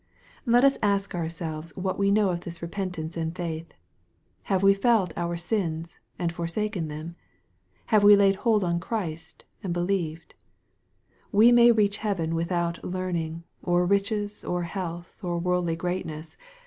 Let us ask ourselves what we know of this repentance and faith. Have we felt our sins, and forsaken them ? Have we laid hold on Christ, and believed ? We may reach heaven without learning, or riches, or health, or worldly greatness.